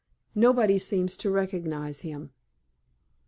Nobody seems to recognize him."